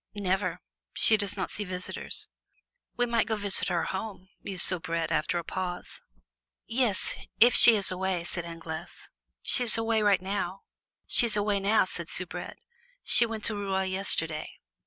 "Never; she does not see visitors." "We might go visit her home," mused Soubrette, after a pause. "Yes, if she is away," said Anglaise. "She's away now," said Soubrette; "she went to Rouen yesterday."